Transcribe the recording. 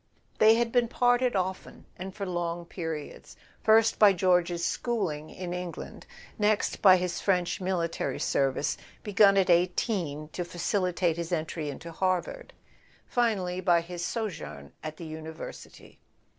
They had been parted often, and for long periods; first by George's schooling in England, next by his French military service, begun at eighteen to facilitate his entry into Harvard; finally, by his sojourn at the University.